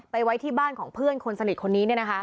ไว้ที่บ้านของเพื่อนคนสนิทคนนี้